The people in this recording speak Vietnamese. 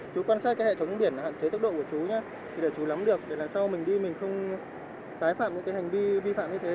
chú quan sát hệ thống biển hạn chế tốc độ của chú nhé để chú lắm được để sau mình đi mình không tái phạm hành vi vi phạm như thế